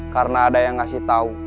karena ada yang ngasih tau